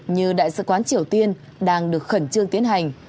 như đại sứ quán triều tiên đang được khẩn trương tiến hành